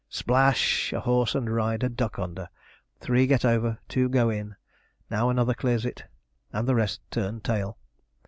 Splash! a horse and rider duck under; three get over; two go in; now another clears it, and the rest turn tail.